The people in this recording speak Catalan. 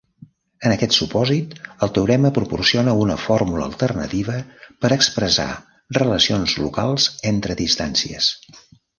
En aquest supòsit, el teorema proporciona una fórmula alternativa per expressar relacions locals entre distàncies.